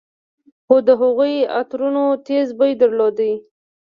خو د هغوى عطرونو تېز بوى درلود.